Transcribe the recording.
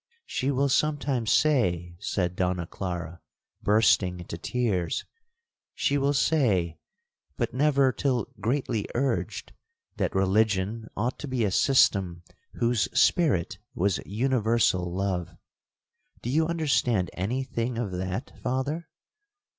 '—'She will sometimes say,' said Donna Clara, bursting into tears—'she will say, but never till greatly urged, that religion ought to be a system whose spirit was universal love. Do you understand any thing of that, Father?'